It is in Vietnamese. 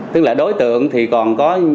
tức là đối tượng thì còn có